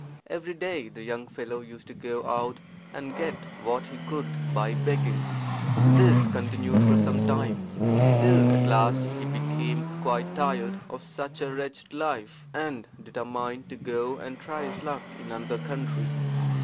Every day the young fellow used to go out and get what he could by begging. This continued for some time, till at last he became quite tired of such a wretched life, and determined to go and try his luck in another country.